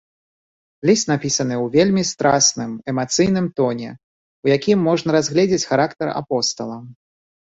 Ліст напісаны ў вельмі страсным, эмацыйным тоне, у якім можна разгледзіць характар апостала.